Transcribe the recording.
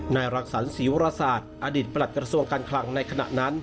นายรังสรรศรีวรศาสตร์อดีตประหลักกระทรวงการคลังในขณะนั้น